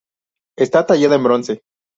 Está tallada en bronce.